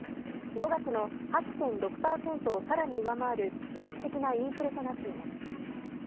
５月の８．６％を更に上回る記録的なインフレとなっています。